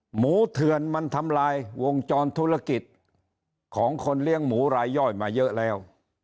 เถื่อนมันทำลายวงจรธุรกิจของคนเลี้ยงหมูรายย่อยมาเยอะแล้ว